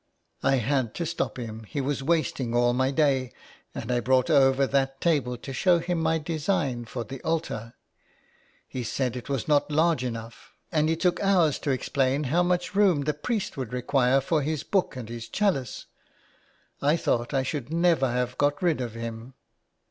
I had to stop him, he was wasting all my day, and I brought over that table to show him my design for the altar. He said it was not large enough, and he i8 IN THE CLAY. took hours to explain how much room the priest would require for his book and his chalice. I thought I should never have got rid of him.